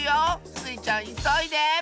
スイちゃんいそいで！